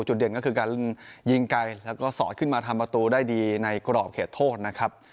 เด่นก็คือการยิงไกลแล้วก็สอดขึ้นมาทำประตูได้ดีในกรอบเขตโทษนะครับ